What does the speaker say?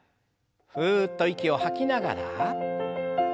ふっと息を吐きながら。